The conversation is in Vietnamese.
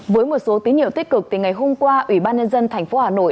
với một số tín hiệu tích cực từ ngày hôm qua ủy ban nhân dân thành phố hà nội